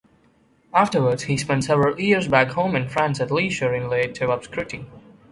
Afterwards, he spent several years back home in France at leisure in relative obscurity.